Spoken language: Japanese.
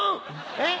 えっ？